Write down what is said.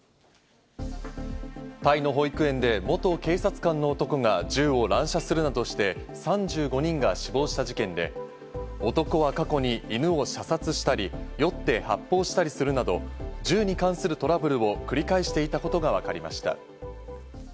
タイの保育園で元警察官の男が銃を乱射するなどして３５人が死亡した事件で、男は過去に犬を射殺したり、酔って発砲したりするなど銃に関するトラブルを繰り返していたことがわかりました。